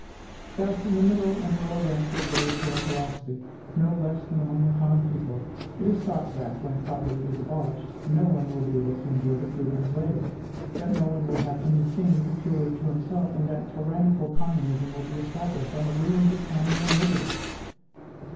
Thus, in the middle and lower ranks of literature and philosophy, no less than among the common people, it is thought that, when property is abolished, no one will be able to enjoy the fruit of his labor; that no one will have any thing peculiar to himself, and that tyrannical communism will be established on the ruins of family and liberty!